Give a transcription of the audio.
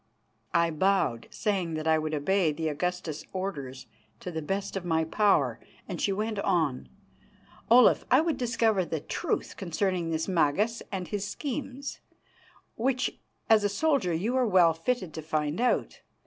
I bowed, saying that I would obey the Augusta's orders to the best of my power, and she went on: "Olaf, I would discover the truth concerning this Magas and his schemes, which as a soldier you are well fitted to find out.